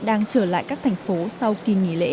đang trở lại các thành phố sau kỳ nghỉ lễ